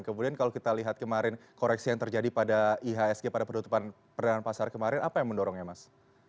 kemudian kalau kita lihat kemarin koreksi yang terjadi pada ihsg pada penutupan perdanaan pasar kemarin apa yang mendorongnya mas